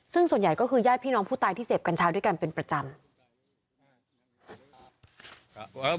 ซึ่งส่วนใหญ่ก็คือญาติพี่น้องผู้ตายที่เสพกัญชาด้วยกันเป็นประจำ